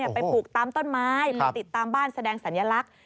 ไปปลูกตามต้นไม้ไปติดตามบ้านแสดงสัญลักษณ์